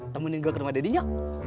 temu ninggal ke rumah dadinya